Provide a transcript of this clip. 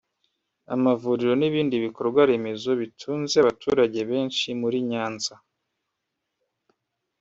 amavuriro n’ibindi bikorwaremezo bitunze abaturage benshi muri Nyanza